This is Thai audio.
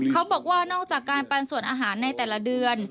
เขาบอกว่านอกจากการปันส่วนอาหารในแต่ละเดือน